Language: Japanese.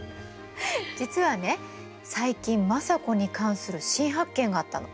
実はね最近政子に関する新発見があったの。